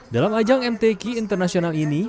dalam ajang mtq internasional ini